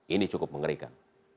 ini cukup mengerikan